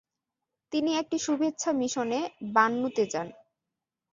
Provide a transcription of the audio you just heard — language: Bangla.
তিনি একটি শুভেচ্ছা মিশনে বান্নু তে যান।